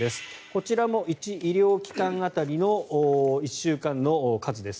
こちらも１医療機関当たりの１週間の数です。